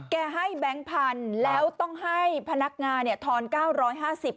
แกให้แบงค์พันธุ์แล้วต้องให้พนักงานเนี่ยทอน๙๕๐บาท